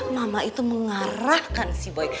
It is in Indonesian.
mama itu mengarahkan si boi